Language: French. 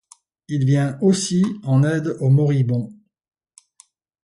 Il vient aussi en aide aux moribonds.